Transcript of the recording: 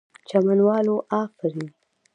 چمن والو آفرین!!